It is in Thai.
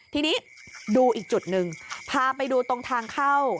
ทีนี้ดูอีกจุดหนึ่งพาไปดูตรงทางเข้า